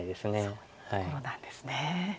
そういうところなんですね。